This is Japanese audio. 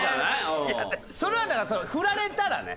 それはだから振られたらね。